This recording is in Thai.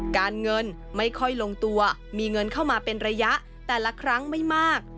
การเงินไม่ค่อยลงตัวมีเงินเข้ามาเป็นระยะแต่ละครั้งไม่มาก